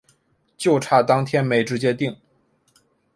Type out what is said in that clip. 就差当天没直接订